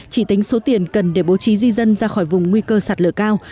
chỉ tính số tiền cần để bố trí di dân ra khỏi vùng nguy cơ sạt lở cao